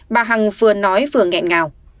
bà hằng vừa nói vừa nghẹn ngào